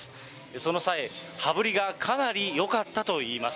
その際、羽振りがかなりよかったといいます。